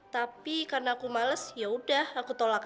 tapi karena aku males aku mau ikut filmnya juga ngetop ngetop